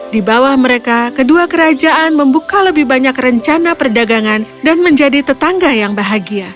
di bawah mereka kedua kerajaan membuka lebih banyak rencana perdagangan dan menjadi tetangga yang bahagia